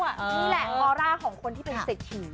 นี่แหละออร่าของคนที่เป็นเศรษฐี